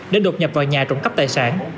để đột nhập vào nhà trộm cắp tài sản